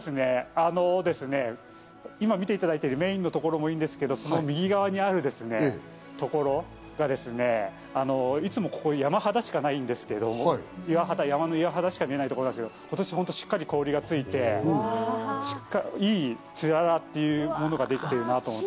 今、見ていただいているメインのところもいいんですけど、その右側にあるところがですね、いつもここ山肌しかないんですけど、山の岩肌しか見えないところですけど今年はしっかり氷がついて、いいつららというものができています。